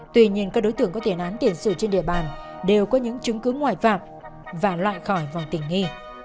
tuy nhiên các đối tượng có tiền án tiền sự trên địa bàn đều có những chứng cứ ngoại phạm và loại khỏi vòng tỉnh nghi